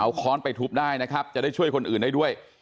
เอาค้อนไปทุบได้นะครับจะได้ช่วยคนอื่นได้ด้วย